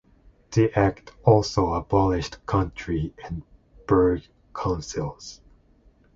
The act also abolished county and burgh councils.